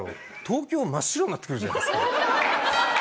東京真っ白になってくるじゃないですか。